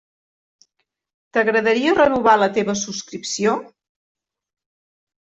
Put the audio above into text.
T'agradaria renovar la teva subscripció?